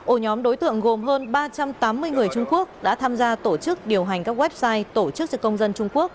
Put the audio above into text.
ổ nhóm đối tượng gồm hơn ba trăm tám mươi người trung quốc đã tham gia tổ chức điều hành các website tổ chức cho công dân trung quốc